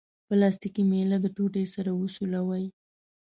پلاستیکي میله د ټوټې سره وسولوئ.